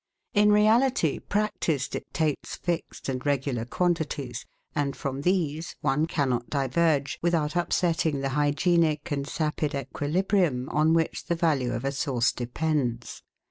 In reality, practice dictates fixed and regular quantities, and from these one cannot diverge without upsetting the hygienic and sapid equilibrium on which the value of a sauce depends.